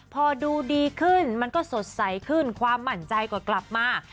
พอดูดีขึ้นมันก็สดใสขึ้นความมั่นใจก็กลับมา